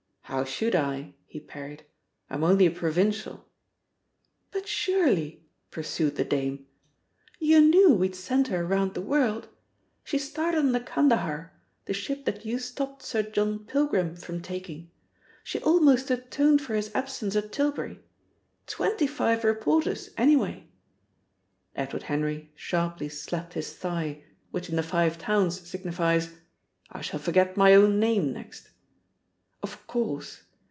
"How should I?" he parried. "I'm only a provincial." "But surely," pursued the dame, "you knew we'd sent her round the world. She started on the Kandahar, the ship that you stopped Sir John Pilgrim from taking. She almost atoned for his absence at Tilbury. Twenty five reporters, anyway!" Edward Henry sharply slapped his thigh, which in the Five Towns signifies, "I shall forget my own name next." Of course!